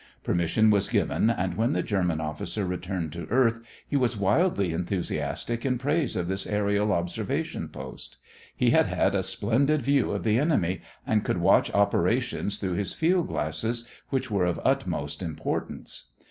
Permission was given and when the German officer returned to earth he was wildly enthusiastic in praise of this aërial observation post. He had had a splendid view of the enemy and could watch operations through his field glasses which were of utmost importance.